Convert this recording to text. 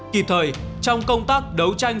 kịp thời trong công tác đấu tranh